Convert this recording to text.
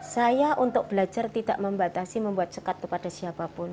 saya untuk belajar tidak membatasi membuat sekat kepada siapapun